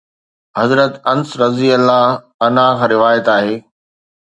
حضرت انس رضي الله عنه کان روايت آهي.